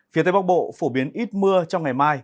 phía tây bắc bộ phổ biến ít mưa trong ngày mai